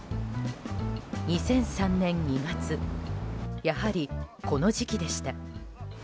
２００３年２月やはりこの時期でした。